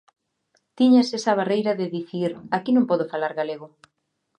Tiñas esa barreira de dicir: aquí non podo falar galego.